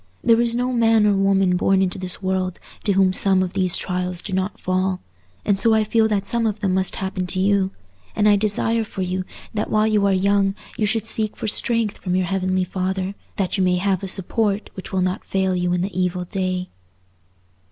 There is no man or woman born into this world to whom some of these trials do not fall, and so I feel that some of them must happen to you; and I desire for you, that while you are young you should seek for strength from your Heavenly Father, that you may have a support which will not fail you in the evil day."